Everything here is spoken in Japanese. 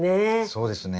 そうですね。